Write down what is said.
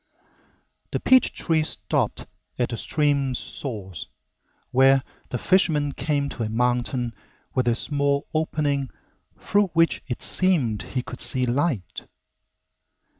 The peach trees stopped at the stream's source, where the fisherman came to a mountain with a small opening through which it seemed he could see light.